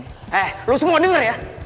eh lo semua denger ya